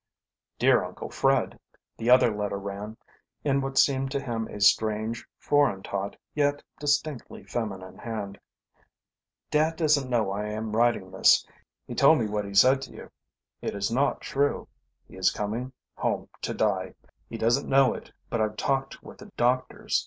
"Dear Uncle Fred": the other letter ran, in what seemed to him a strange, foreign taught, yet distinctly feminine hand. "Dad doesn't know I am writing this. He told me what he said to you. It is not true. He is coming home to die. He doesn't know it, but I've talked with the doctors.